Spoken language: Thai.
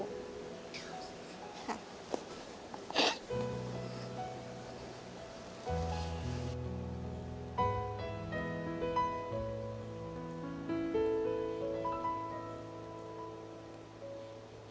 ขอบคุณครับ